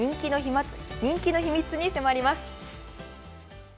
人気の秘密に迫ります。